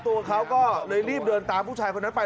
ตัวเขาก็เลยรีบเดินตามผู้ชายคนนั้นไป